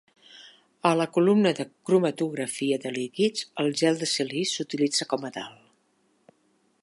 A la columna de cromatografia de líquids, el gel de sílice s'utilitza com a tal.